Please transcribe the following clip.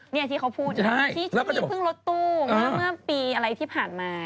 เนี่ยที่เค้าพูดที่อยู่พึ่งลดตู้ปีอะไรที่ผ่านมา